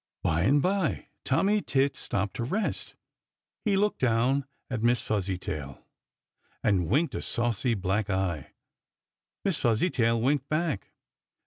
By and by, Tommy Tit stopped to rest. He looked down at Miss Fuzzytail and winked a saucy black eye. Miss Fuzzytail winked back.